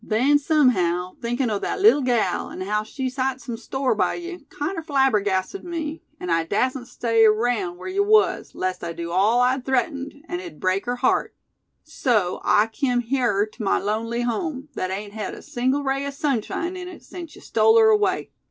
Then sumhow, thinkin' o' that leetle gal, an' how she sot sum store by ye, kinder flabbergasted me, an' I dassent stay around whar ye was, lest I do all I'd threatened, an' it'd break her heart. So I kim hyar ter my lonely home, thet ain't hed a single ray o' sunshine in it sense ye stole her away.